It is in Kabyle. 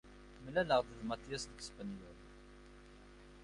Mlaleɣ-d ed Mattias deg Spenyul.